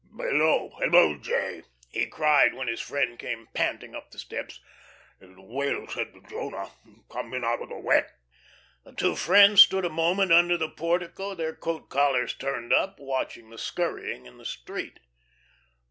"Hello! Hello, J.," he cried, when his friend came panting up the steps, "as the whale said to Jonah, 'Come in out of the wet.'" The two friends stood a moment under the portico, their coat collars turned up, watching the scurrying in the street.